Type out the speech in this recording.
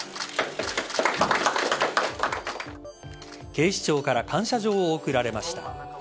警視庁から感謝状を贈られました。